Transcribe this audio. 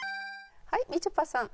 はいみちょぱさん。